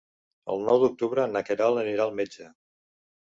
El nou d'octubre na Queralt anirà al metge.